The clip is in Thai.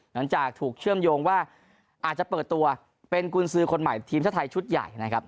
หลังจากถูกเชื่อมโยงว่าอาจจะเปิดตัวเป็นกุญสือคนใหม่ทีมชาติไทยชุดใหญ่นะครับ